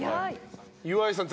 岩井さん